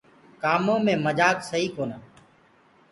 ڪآمو مي مجآڪ سئي ڪونآ۔